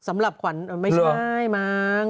สำหรับขวัญไม่ใช่มั้ง